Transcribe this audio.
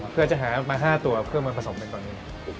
เพื่อจะหามา๕ตัวเพื่อมาผสมเป็นตัวนี้